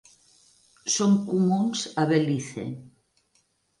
Són comuns a Belize.